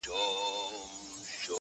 سره لمبه به دا ښارونه دا وطن وي!